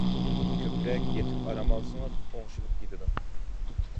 كۆپرەك يېتىپ ئارام ئالسىڭىز ئوڭشىلىپ كېتىدۇ.